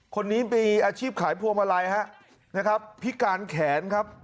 คนนี้มีอาชีพขายพวงมาลัยฮะนะครับพิการแขนครับ